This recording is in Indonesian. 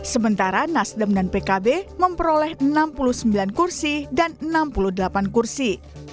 sementara nasdem dan pkb memperoleh enam puluh sembilan kursi dan enam puluh delapan kursi